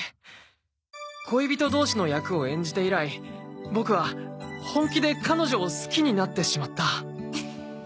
恋人同士の役を演じて以来ボクは本気で彼女を好きになってしまった。